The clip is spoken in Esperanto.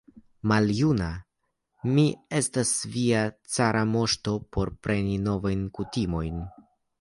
Maljuna mi estas, via cara moŝto, por preni novajn kutimojn!